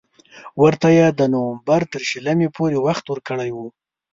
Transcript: ورته یې د نومبر تر شلمې پورې وخت ورکړی وو.